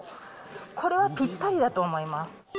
これはぴったりだと思います。